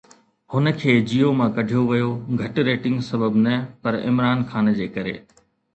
هن کي جيو مان ڪڍيو ويو گهٽ ريٽنگ سبب نه پر عمران خان جي ڪري